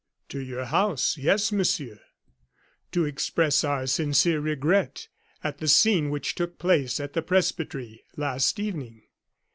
"To your house, yes, Monsieur, to express our sincere regret at the scene which took place at the presbytery last evening."